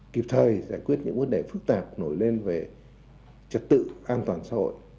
kịp thời giải quyết những vấn đề phức tạp nổi lên về trật tự an toàn xã hội